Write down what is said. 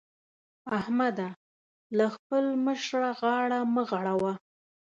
احمده! له خپل مشره غاړه مه غړوه.